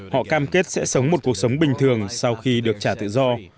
họ cam kết sẽ sống một cuộc sống bình thường sau khi được trả tự do